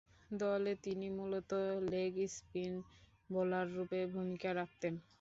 দলে তিনি মূলতঃ লেগ স্পিন বোলাররূপে ভূমিকা রাখতেন।